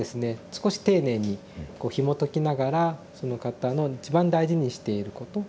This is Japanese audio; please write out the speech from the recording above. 少し丁寧にこうひもときながらその方の一番大事にしていること。